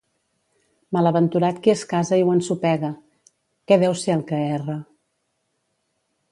Malaventurat qui es casa i ho ensopega: què deu ser el que erra?